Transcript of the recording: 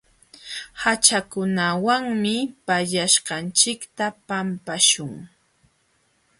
Haćhakunawanmi pallaśhqanchikta pampaśhun.